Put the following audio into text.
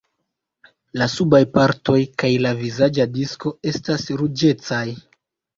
La subaj partoj kaj la vizaĝa disko estas ruĝecaj.